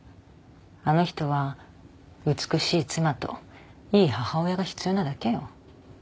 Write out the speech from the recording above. あの人は美しい妻といい母親が必要なだけよ。